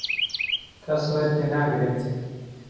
کەس ڕێت لێ ناگرێت.